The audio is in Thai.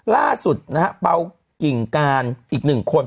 ล่าสุดนะฮะเปล่ากิ่งการอีกหนึ่งคน